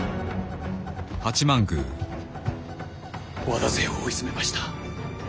和田勢を追い詰めました。